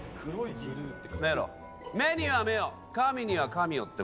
メロ、目には目を神には神をって